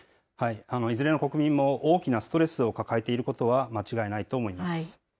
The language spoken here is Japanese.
いずれの国民も大きなストレスを抱えていることは間違いないと思います。